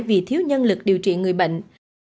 vì thiếu nhân lực điều trị người bệnh